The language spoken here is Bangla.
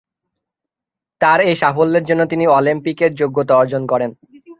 তার এই সাফল্যের জন্য তিনি অলিম্পিকের যোগ্যতা অর্জন করেন।